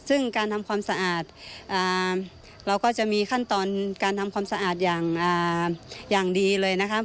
ซึ่งการทำความสะอาดเราก็จะมีขั้นตอนการทำความสะอาดอย่างดีเลยนะครับ